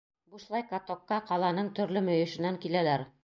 Бушлай катокка ҡаланың төрлө мөйөшөнән киләләр.